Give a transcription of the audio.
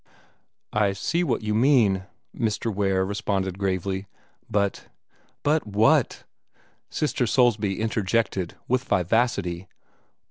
"I see what you mean," Mr. Ware responded gravely. "But " "But what!" Sister Soulsby interjected, with vivacity.